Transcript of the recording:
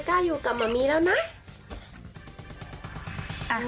เฮ้ยแกอยู่กับมัมมี่แล้วนะ